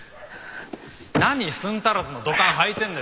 何寸足らずのドカンはいてんだよ